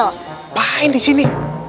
ngapain di sini